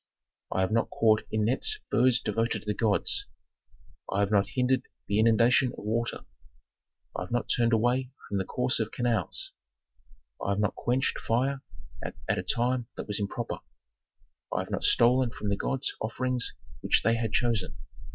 I have not caught in nets birds devoted to the gods. I have not hindered the inundation of water. I have not turned away the course of canals. I have not quenched fire at a time that was improper, I have not stolen from the gods offerings which they had chosen.